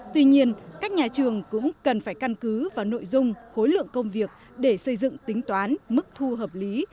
tuy nhiên các nhà trường cũng cần phải căn cứ vào nội dung khối lượng công việc để xây dựng tính toán mức thu hợp lý